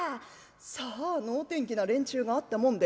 さあ能天気な連中があったもんで。